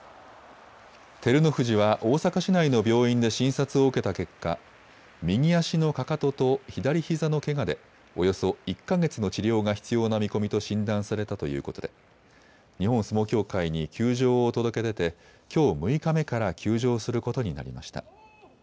照ノ富士は大阪市内の病院で診察を受けた結果、右足のかかとと左ひざのけがでおよそ１か月の治療が必要な見込みと診断されたということで日本相撲協会に休場を届け出てきょう６日目から休場することになりました。